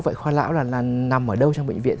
vậy khoa lão là nằm ở đâu trong bệnh viện